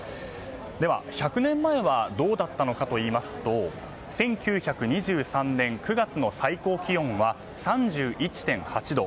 では、１００年前はどうだったのかといいますと１９２３年９月の最高気温は３１．８度。